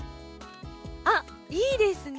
あっいいですね。